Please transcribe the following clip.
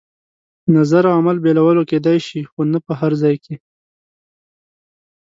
نظر او عمل بېلولو کېدای شي، خو نه په هر ځای کې.